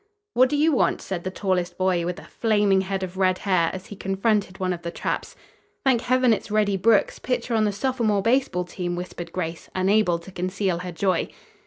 "What do you want?" said the tallest boy, with a flaming head of red hair, as he confronted one of the tramps. "Thank heaven it's Reddy Brooks, pitcher on the sophomore baseball team!" whispered Grace, unable to conceal her joy.